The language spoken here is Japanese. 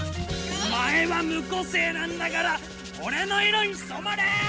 お前は無個性なんだから俺の色に染まれ！